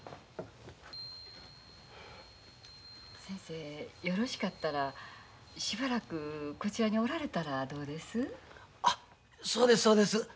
先生よろしかったらしばらくこちらにおられたらどうです？